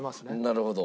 なるほど。